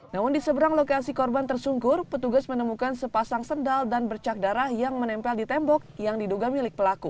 namun di seberang lokasi korban tersungkur petugas menemukan sepasang sendal dan bercak darah yang menempel di tembok yang diduga milik pelaku